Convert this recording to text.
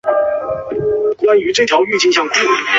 其颜色为棕色是因为有大量的线粒体。